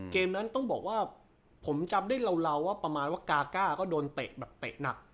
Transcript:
เกมนั้นต้องบอกว่าผมจำได้เราว่าประมาณว่ากาก้าก็โดนเตะแบบเตะหนัก